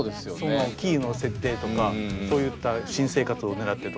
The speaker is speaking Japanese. キーの設定とかそういった新生活をねらってとか。